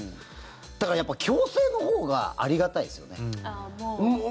だから、やっぱり強制のほうがありがたいですよね。